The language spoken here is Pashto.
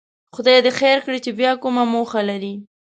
خدای دې خیر کړي چې بیا کومه موخه لري.